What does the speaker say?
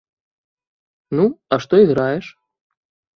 Ну, а што іграеш?